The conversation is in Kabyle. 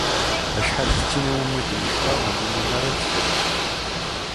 Acḥal d tin iwumi i d-necfa, ur numin ara ad tt-fru.